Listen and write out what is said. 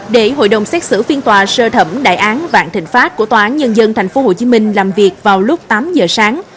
để hội đồng xét xử phiên tòa sơ thẩm đại án vạn thịnh pháp của tòa án nhân dân tp hcm làm việc vào lúc tám giờ sáng